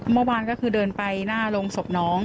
เมื่อวานก็คือเดินไปหน้าโรงศพน้อง